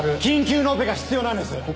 緊急のオペが必要なんです！